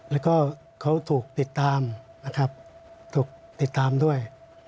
แล้วก็เขาถูกติดตามนะครับถูกติดตามด้วย